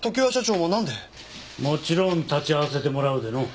もちろん立ち会わせてもらうでの。